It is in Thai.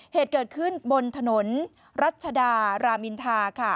เหตุเกิดขึ้นบนถนนรัชดารามินทาค่ะ